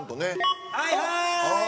はいはーい！